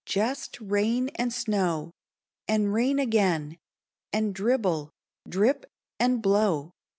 Jest rain and snow! and rain again! And dribble! drip! and blow!